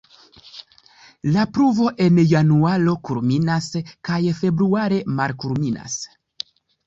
La pluvo en januaro kulminas kaj februare malkulminas.